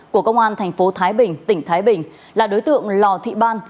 của công an thành phố thái bình tỉnh thái bình là đối tượng lò thị ban